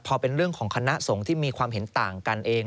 พอเป็นเรื่องของคณะสงฆ์ที่มีความเห็นต่างกันเอง